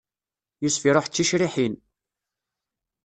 Yusef iṛuḥ d ticriḥin!